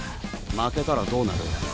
負けたらどうなる？